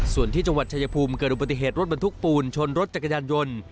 ส่วนที่จังหวัดชายภูมิเกิดอุบัติเหตุรถบรรทุกปูนชนรถจักรยานยนต์